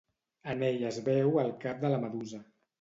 En ell es veu el cap de la Medusa.